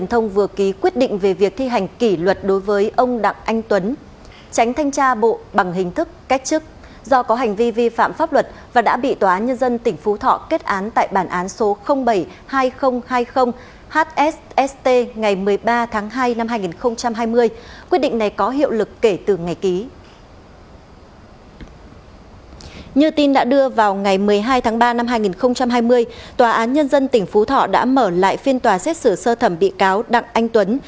như tin đã đưa vào ngày một mươi hai tháng ba năm hai nghìn hai mươi tòa án nhân dân tỉnh phú thọ đã mở lại phiên tòa xét xử sơ thẩm bị cáo đặng anh tuấn